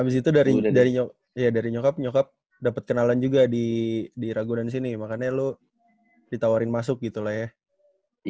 habis itu dari nyokap nyokap dapet kenalan juga di ragunan sini makanya lo ditawarin masuk gitu lah ya